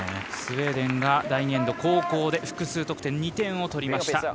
スウェーデンが後攻で複数得点、２点を取りました。